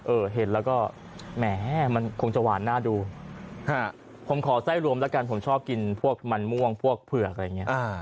เห็นแล้วก็แหมมันคงจะหวานหน้าดูผมขอไส้รวมแล้วกันผมชอบกินพวกมันม่วงพวกเผือกอะไรอย่างนี้